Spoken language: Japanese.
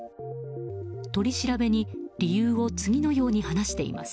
取り調べに、理由を次のように話しています。